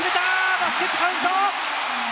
バスケットカウント！